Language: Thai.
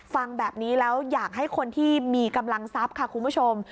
ฟังแบบนี้แล้วอยากให้คนที่มีกำลังทรัพย์ค่ะคุณผู้ชม